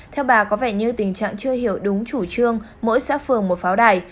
theo bà có vẻ như tình trạng chưa hiểu đúng chủ trương mỗi xã phường một pháo đài